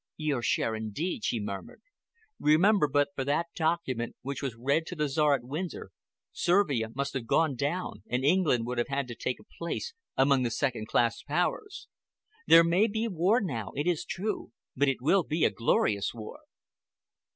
"Your share, indeed," she murmured. "Remember that but for that document which was read to the Czar at Windsor, Servia must have gone down, and England would have had to take a place among the second class Powers. There may be war now, it is true, but it will be a glorious war."